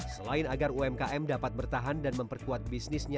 selain agar umkm dapat bertahan dan memperkuat bisnisnya